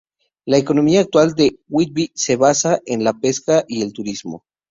La economía actual de Whitby se basa en la pesca y el turismo.